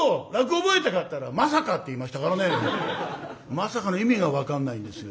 「まさか」の意味が分かんないんですよ。